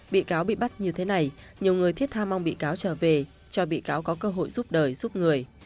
bị cáo bị bắt như thế này nhiều người thiết tha mong bị cáo trở về cho bị cáo có cơ hội giúp đời giúp người